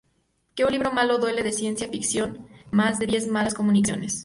Que un libro malo duele de ciencia ficción más de diez malas comunicaciones.